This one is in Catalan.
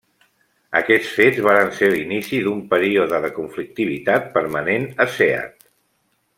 Aquests fets varen ser l'inici d'un període de conflictivitat permanent a Seat.